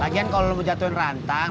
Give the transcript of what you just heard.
lagian kalau lo jatuhin rantang